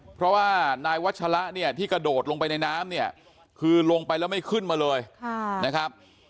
เพราะว่านายวัชละเนี่ยที่กระโดดลงไปในน้ำเนี่ยคือลงไปแล้วไม่ขึ้นมาเลยนะครับ